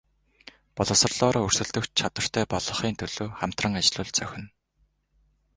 Боловсролоороо өрсөлдөх чадвартай болгохын төлөө хамтран ажиллавал зохино.